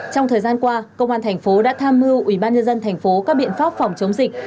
trong thời gian qua công an tp hcm đã tham mưu ủy ban nhân dân tp hcm các biện pháp phòng chống dịch